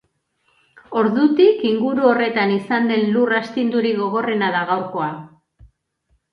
Ordutik, inguru horretan izan den lur astindurik gogorrena da gaurkoa.